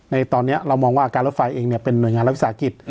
ในตอนนี้เรามองว่าการรถไฟเองเป็นหน่วยงานรัฐวิสาหกิจ